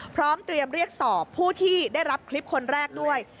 พร้อมเตรียมเรียกสอบผู้ที่ได้รับคลิปคนแรกด้วย